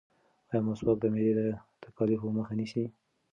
ایا مسواک د معدې د تکالیفو مخه نیسي؟